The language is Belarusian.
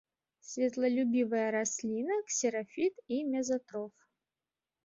Святлолюбівая расліна, ксерафіт і мезатроф.